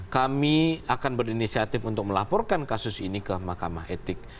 kami akan berinisiatif untuk melaporkan kasus ini ke mahkamah etik